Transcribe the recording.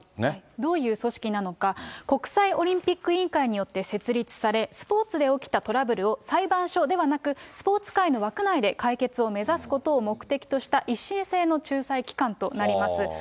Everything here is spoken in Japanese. どういう組織なのかというと、国際オリンピック委員会によって設立され、スポーツで起きたトラブルを裁判所ではなく、スポーツ界の枠内で解決を目指すことを目的とした１審制の仲裁機関となります。